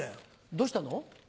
どうしたの？